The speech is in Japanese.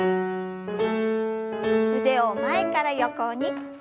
腕を前から横に。